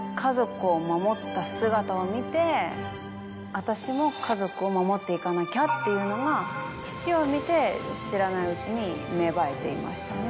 私も家族を守っていかなきゃっていうのが父を見て知らないうちに芽生えていましたね。